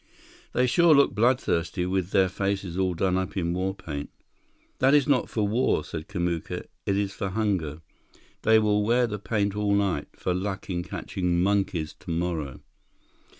"They sure look bloodthirsty, with their faces all done up in war paint." "That is not for war," said Kamuka. "It is for hunger. They will wear the paint all night, for luck in catching monkeys tomorrow."